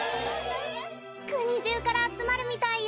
くにじゅうからあつまるみたいよ。